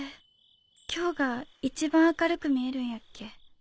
今日が一番明るく見えるんやっけ。